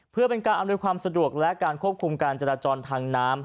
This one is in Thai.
เพื่อเป็นการอำนวยความสะดวกและการควบคุมการจราจรทางน้ำ